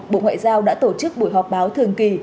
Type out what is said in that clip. bộ ngoại giao đã tổ chức buổi họp báo thường kỳ